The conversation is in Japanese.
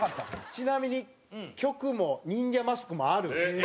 ちなみに曲も忍者マスクもある。